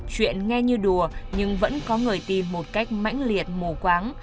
chuyện nghe như đùa nhưng vẫn có người tìm một cách mãnh liệt mù quáng